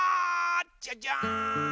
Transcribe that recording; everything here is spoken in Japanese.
じゃじゃん！